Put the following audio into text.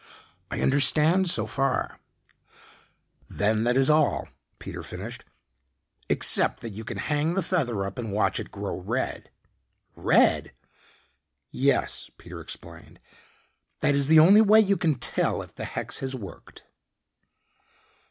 "I understand so far," Mirestone said. "Then that is all," Peter finished, "except that you can hang the feather up and watch it grow red." "Red?" "Yes," Peter explained, "That is the only way you can tell if the hex has worked."